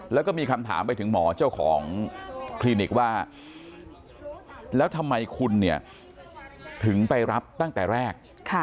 แล้วก็มีคำถามไปถึงหมอเจ้าของคลินิกว่าแล้วทำไมคุณเนี่ยถึงไปรับตั้งแต่แรก